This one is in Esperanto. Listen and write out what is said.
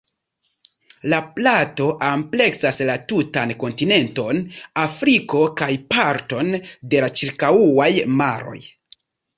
La plato ampleksas la tutan kontinenton Afriko kaj parton de la ĉirkaŭaj maroj.